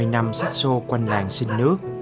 ba mươi năm sát xô quanh làng xin nước